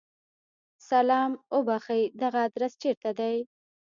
سلام! اوبښئ! دغه ادرس چیرته دی؟